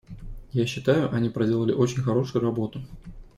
Я считаю, они проделали очень хорошую работу.